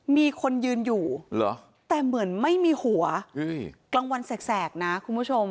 มีคนยืนอยู่แต่เหมือนไม่มีหัวกลางวันแสกนะคุณผู้ชม